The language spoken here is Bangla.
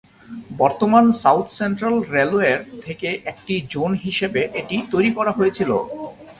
বর্তমান সাউথ সেন্ট্রাল রেলওয়ের থেকে একটি জোন হিসেবে এটি তৈরি করা হয়েছিল।